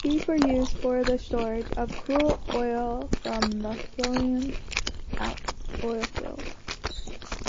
These were used for the storage of crude oil from the Foinaven oilfield.